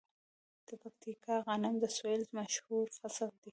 د پکتیکا غنم د سویل مشهور فصل دی.